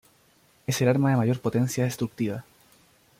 Es el arma de mayor potencia destructiva.